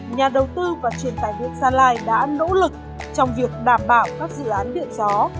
nhà đầu tư và truyền tài điện gia lai đã nỗ lực trong việc đảm bảo các dự án điện gió